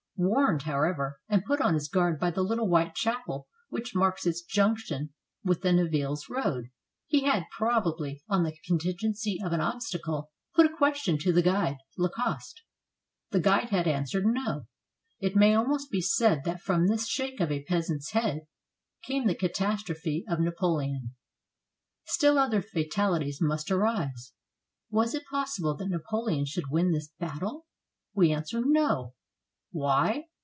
Warned, however, and put on his guard by the little white chapel which marks its junction with the Nivelles road, he had, probably, on the contingency of an obstacle, put a question to the guide, Lacoste. The guide had answered no. It may almost be said that from this shake of a peasant's head came the catastrophe of Napoleon, Still other fatalities must arise. Was it possible that Napoleon should win this battle? We answer — no! Why?